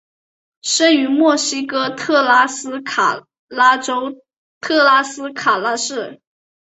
生于墨西哥特拉斯卡拉州特拉斯卡拉市。